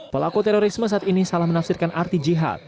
pelaku terorisme saat ini salah menafsirkan arti jihad